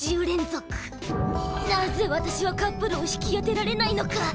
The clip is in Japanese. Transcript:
なぜ私はカップルを引き当てられないのか。